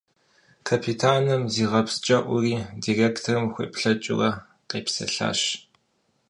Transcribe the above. Капитаным зигъэпсчэуӀури, директорым хуеплъэкӀыурэ, къепсэлъащ.